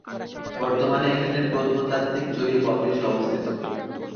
বর্তমানে এখানে প্রত্নতাত্ত্বিক জরিপ অফিস অবস্থিত।